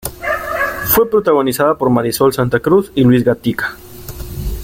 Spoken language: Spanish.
Fue protagonizada por Marisol Santacruz y Luis Gatica.